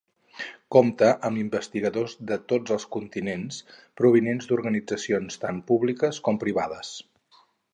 Compta amb investigadors de tots els continents, provinents d’organitzacions tant públiques com privades.